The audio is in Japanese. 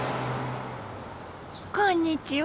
こんにちは。